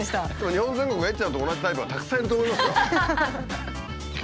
日本全国えっちゃんと同じタイプはたくさんいると思いますよ。